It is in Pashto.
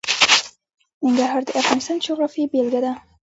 ننګرهار د افغانستان د جغرافیې بېلګه ده.